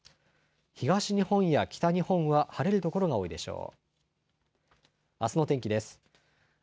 東日本や北日本は晴れる所が多いでしょう。